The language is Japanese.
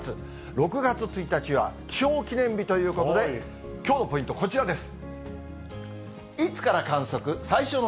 ６月１日は気象記念日ということで、きょうのポイント、こちらです。